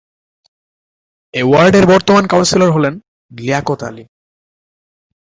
এ ওয়ার্ডের বর্তমান কাউন্সিলর হলেন লিয়াকত আলী।